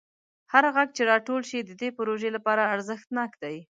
هر غږ چې راټول شي د دې پروژې لپاره ارزښتناک دی.